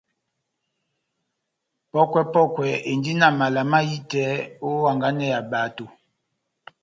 Pɔ́kwɛ-pɔkwɛ endi na mala mahitɛ ó hanganɛ ya bato.